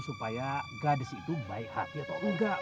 supaya gadis itu baik hati atau enggak